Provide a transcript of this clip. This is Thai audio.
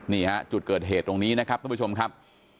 นี่ฮะจุดเกิดเหตุตรงนี้นะครับท่านผู้ชมครับ